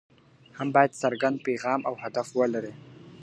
هم باید څرګند پیغام او هدف ولري .